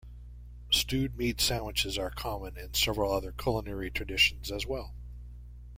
Stewed meat sandwiches are common in several other culinary traditions as well.